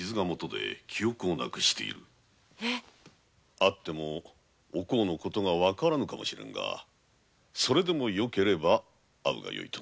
会ってもおこうの事がわからぬかもしれぬがそれでもよければ会うがよいとな。